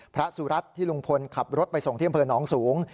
พระสุรัตน์ที่ลุงพลขับรถไปส่งที่อำเภอหนองสูง